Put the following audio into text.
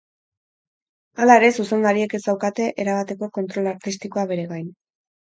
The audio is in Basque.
Hala ere, zuzendariek ez daukate erabateko kontrol artistikoa bere gain.